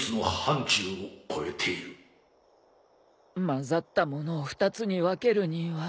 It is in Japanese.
まざったものを２つに分けるには。